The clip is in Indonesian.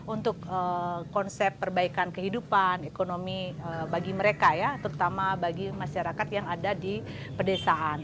untuk konsep perbaikan kehidupan ekonomi bagi mereka ya terutama bagi masyarakat yang ada di pedesaan